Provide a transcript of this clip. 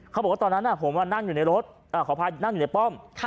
เขาบอกว่าตอนนั้นผมนั่งอยู่ในรถขออภัยนั่งอยู่ในป้อม